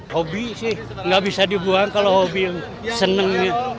hobi sih nggak bisa dibuang kalau hobi seneng